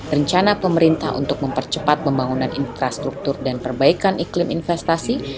rencana pemerintah untuk mempercepat pembangunan infrastruktur dan perbaikan iklim investasi